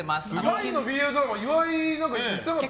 タイのＢＬドラマ岩井、何か言ってなかった？